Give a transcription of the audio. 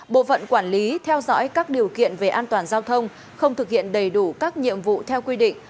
bộ phận quản lý theo dõi các điều kiện về an toàn giao thông không thực hiện đầy đủ các nhiệm vụ theo quy định